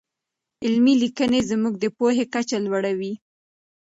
علمي لیکنې زموږ د پوهې کچه لوړوي.